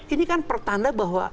ini kan pertanda bahwa